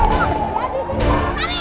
miss ayu boleh ya